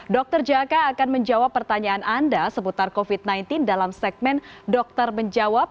dr jaka akan menjawab pertanyaan anda seputar covid sembilan belas dalam segmen dokter menjawab